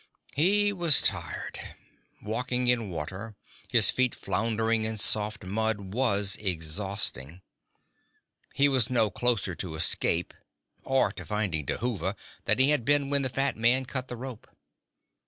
He was tired. Walking in water, his feet floundering in soft mud, was exhausting. He was no closer to escape, or to finding Dhuva, than he had been when the fat man cut the rope.